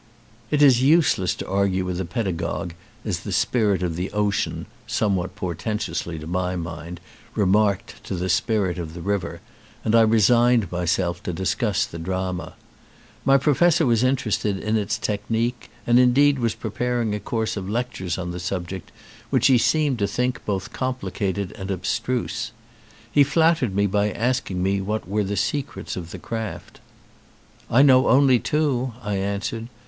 It is useless to argue with a pedagogue, as the Spirit of the Ocean (somewhat portentously to my mind) remarked to the Spirit of the River and I resigned myself to discuss the drama. My pro fessor was interested in its technique and indeed was preparing a course of lectures on the subject, which he seemed to think both complicated and abstruse. He flattered me by asking me what were the secrets of the craft. "I know only two," I answered.